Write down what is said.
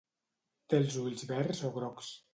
Té els ulls verds o grocs.